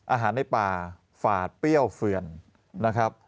อาหารในป่าฝาดเปรี้ยวเฟือนนะครับ